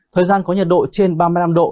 thời gian có nhiệt độ trên ba mươi năm độ